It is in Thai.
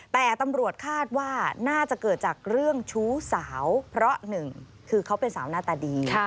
แต่ตำรวจคาดว่าน่าจะเกิดจากเรื่องชู้สาวเพราะหนึ่งคือเขาเป็นสาวหน้าตาดี